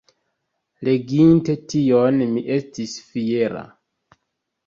Leginte tion mi estis fiera.